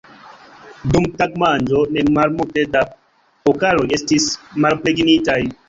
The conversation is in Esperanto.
Dum tagmanĝo ne malmulte da pokaloj estis malplenigitaj!